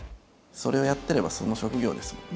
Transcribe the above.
それをやってればその職業ですもんね。